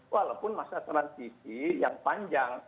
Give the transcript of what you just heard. walaupun masa transisi yang panjang